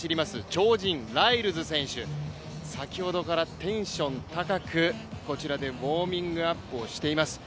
超人ライルズ選手、先ほどからテンション高く、こちらでウォーミングアップをしています。